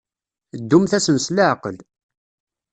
Ddumt-asen s leɛqel.